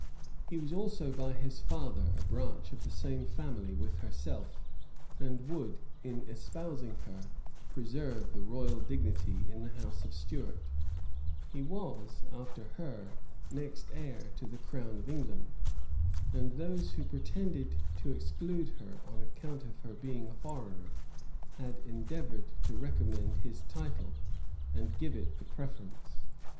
He was also by his father a branch of the same family with herself; and would, in espousing her, preserve the royal dignity in the house of Stuart: he was, after her, next heir to the crown of England; and those who pretended to exclude her on account of her being a foreigner, had endeavored to recommend his title, and give it the preference.